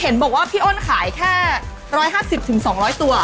เห็นบอกว่าพี่อ้นขายแค่๑๕๐๒๐๐ตัว